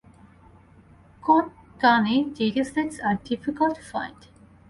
Konkani datasets are difficult to find.